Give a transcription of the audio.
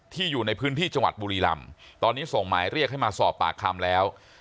อยู่ในพื้นที่จังหวัดบุรีลำตอนนี้ส่งหมายเรียกให้มาสอบปากคำแล้ว